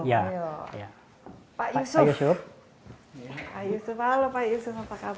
pak yusuf halo pak yusuf apa kabar